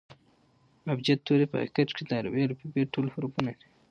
ابجد توري په حقیقت کښي د عربي الفبې ټول حرفونه دي.